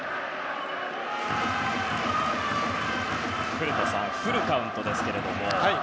古田さん、フルカウントですが。